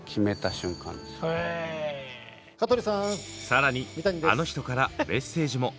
更にあの人からメッセージも。